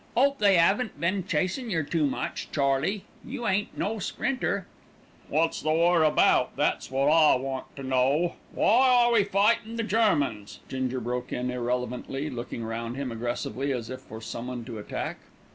"'Ope they 'aven't been chasin' yer too much, Charlie; you ain't no sprinter." "Wot's the war about, that's wot I want to know? Why are we fightin' the Germans?" Ginger broke in irrelevantly, looking round him aggressively as if for someone to attack.